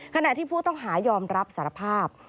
ขณะที่ผู้ต้องหายอมรับสารภาพ